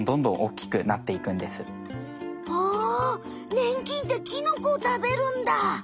ねん菌ってキノコを食べるんだ！